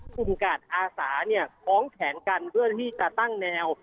กลุ่มกาสอาสารห้องแขนกันเพื่อที่จะตั้งแนว